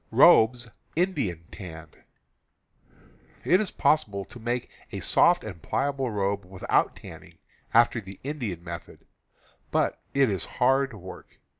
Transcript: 292 CAMPING AND WOODCRAFT It is possible to make a soft and pliable robe with out tanning, after the Indian method, but it is harr^ ,„ work.